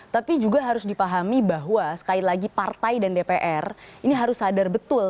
tapi juga harus dipahami bahwa sekali lagi partai dan dpr ini harus sadar betul